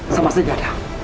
sama saya gak ada